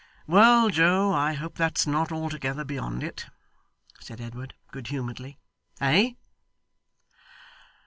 'Well, Joe, I hope that's not altogether beyond it,' said Edward, good humouredly. 'Eh?